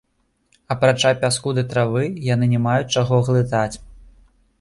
Апрача пяску ды травы, яны не маюць чаго глытаць.